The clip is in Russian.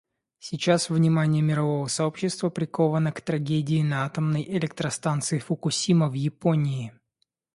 Сейчас внимание мирового сообщества приковано к трагедии на атомной электростанции Фукусима в Японии.